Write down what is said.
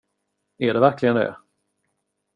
Är det verkligen det?